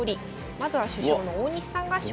まずは主将の大西さんが勝利。